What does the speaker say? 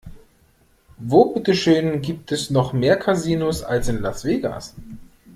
Wo bitte schön gibt es noch mehr Casinos als in Las Vegas?